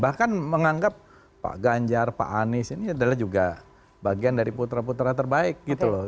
bahkan menganggap pak ganjar pak anies ini adalah juga bagian dari putra putra terbaik gitu loh